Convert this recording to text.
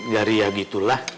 gari ya gitu lah